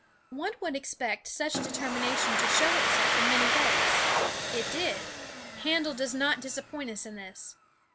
One would expect such determination to show itself in many ways. It did. Handel does not disappoint us in this.